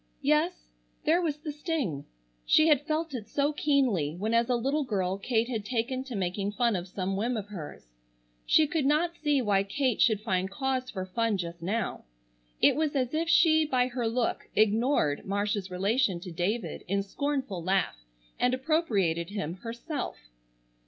Yes, there was the sting. She had felt it so keenly when as a little girl Kate had taken to making fun of some whim of hers. She could not see why Kate should find cause for fun just now. It was as if she by her look ignored Marcia's relation to David in scornful laugh and appropriated him herself.